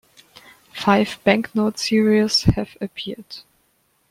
Five banknote series have appeared.